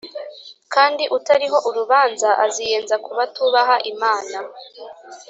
kandi utariho urubanza aziyenza ku batubaha imana